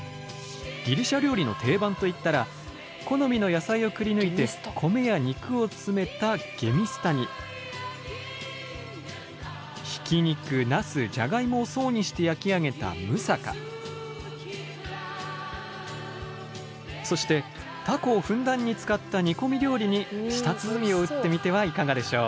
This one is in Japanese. ギリシャ料理の定番といったら好みの野菜をくりぬいて米や肉を詰めたゲミスタにひき肉ナスジャガイモを層にして焼き上げたそしてタコをふんだんに使った煮込み料理に舌鼓を打ってみてはいかがでしょう？